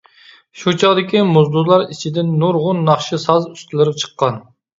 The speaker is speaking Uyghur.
شۇ چاغدىكى موزدۇزلار ئىچىدىن نۇرغۇن ناخشا ساز ئۇستىلىرى چىققان.